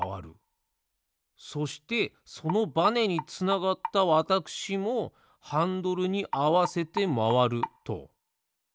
そしてそのバネにつながったわたくしもハンドルにあわせてまわると。